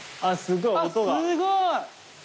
あっすごい！